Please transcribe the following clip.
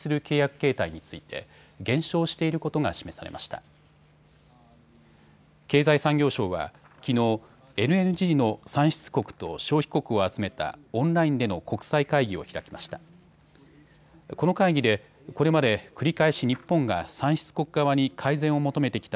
経済産業省はきのう、ＬＮＧの産出国と消費国を集めたオンラインでの国際会議を開きました。